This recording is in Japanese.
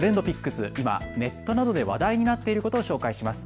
今、ネットなどで話題になっていることを紹介します。